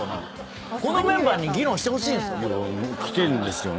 このメンバーに議論してほしい？来てるんですよね。